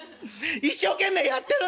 一生懸命やってるんです。